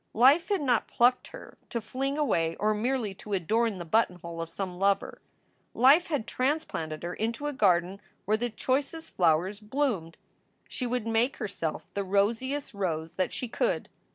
Life had not plucked her to fling away or merely to adorn the buttonhole of some lover. Life had transplanted her into a garden where the choicest flowers bloomed. She would make herself the rosiest rose that she could.